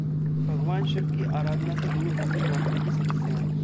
भगवान शिव की आराधना से दूर होंगी नौकरी की समस्याएं